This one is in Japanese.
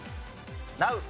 なう。